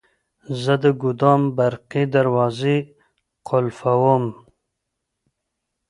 زه د ګودام برقي دروازې قلفووم.